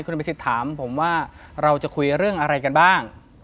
คุณอภิษฎถามผมว่าเราจะคุยเรื่องอะไรกันบ้าง